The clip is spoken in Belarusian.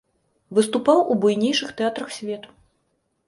Выступаў у буйнейшых тэатрах свету.